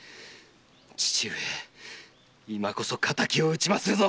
父上いまこそ敵を討ちまするぞ！